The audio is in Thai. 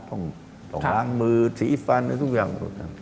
ต้องล้างมือถี่ฟันแล้วทุกอย่าง